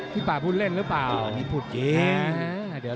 พี่ปะพูดเล่นหรือเปล่าพูดเยี่ยม